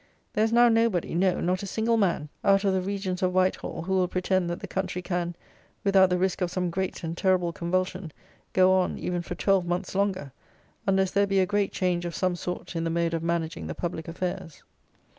There is now nobody; no, not a single man, out of the regions of Whitehall, who will pretend, that the country can, without the risk of some great and terrible convulsion, go on, even for twelve months longer, unless there be a great change of some sort in the mode of managing the public affairs.